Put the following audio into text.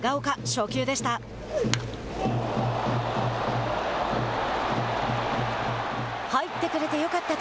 初球でした。